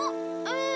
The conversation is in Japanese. うん。